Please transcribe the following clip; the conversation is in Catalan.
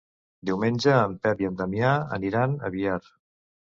Diumenge en Pep i en Damià aniran a Biar.